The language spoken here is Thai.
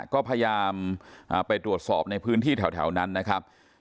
ก็พยายามไปตรวจสอบในพื้นที่แถวนั้นนะครับ